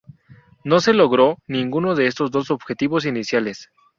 No se logró ninguno de estos dos objetivos iniciales.